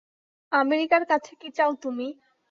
আমেরিকার কাছে কী চাও তুমি?